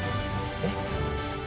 えっ？